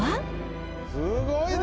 すごいで。